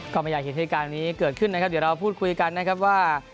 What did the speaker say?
ก็ไม่อยากเห็นเหตุการณ์นี้เกิดขึ้นนะครับเดี๋ยวเราพูดคุยกันนะครับว่า